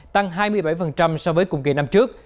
tăng hai mươi bảy so với cùng kỳ năm trước